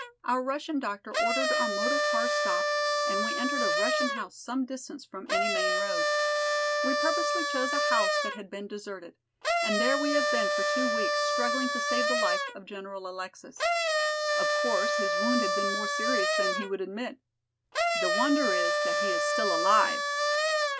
Our Russian doctor ordered our motor car stopped and we entered a Russian house some distance from any main road. We purposely chose a house that had been deserted, and there we have been for two weeks, struggling to save the life of General Alexis. Of course, his wound had been more serious than he would admit. The wonder is that he is still alive!"